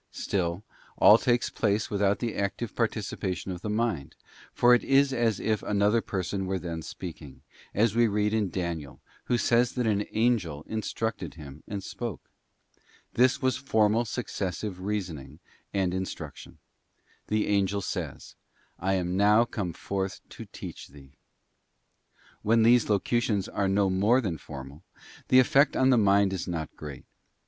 Still all takes place without the active participation of the mind, for it is asif another person were then speaking, as we read in Daniel, who says that an Angel instructed him and spoke. This was formal successive reasoning and instruction: the Angel says, 'I am now come forth to teach thee.' * When these Locutions are no more than formal, the effect on the mind is not great.